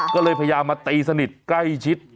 ก็เลยพยายามมาตีสนิทใกล้ชิด